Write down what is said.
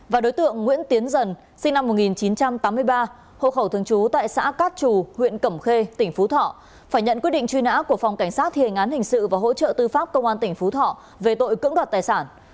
và đối tượng nguyễn tiến dần sinh năm một nghìn chín trăm tám mươi ba hộ khẩu thường trú tại xã cát trù huyện cẩm khê tỉnh phú thọ phải nhận quyết định truy nã của phòng cảnh sát thề ngán hình sự và hỗ trợ tư pháp công an tỉnh phú thọ về tội cưỡng đoạt tài sản